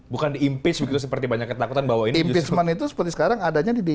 bukan di impeach begitu seperti banyak ketakutan bahwa impeachment itu seperti sekarang adanya di